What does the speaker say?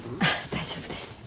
大丈夫です。